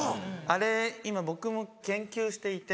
あれ今僕も研究していて。